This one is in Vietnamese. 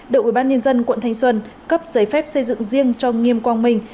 đội ủy ban nhân dân quận thanh xuân cấp giấy phép xây dựng riêng cho nghiêm quang minh